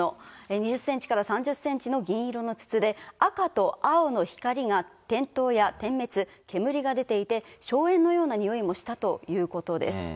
２０センチから３０センチの銀色の筒で、赤と青の光が点灯や点滅、煙が出ていて、硝煙のような臭いもしたということです。